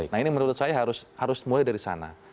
nah ini menurut saya harus mulai dari sana